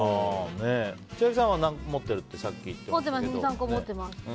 千秋さんは持ってるってさっき言ってたけど。